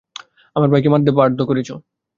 আমার ভাইকে মারতে বাধ্য করেছো।